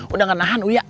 udah gak nahan uya